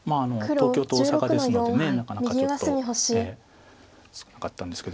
東京と大阪ですのでなかなかちょっと少なかったんですけど。